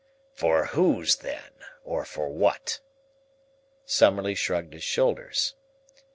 "For whose then or for what?" Summerlee shrugged his shoulders.